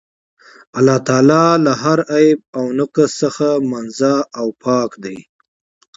الله تعالی له هر عيب او نُقص څخه منزَّه او پاك دی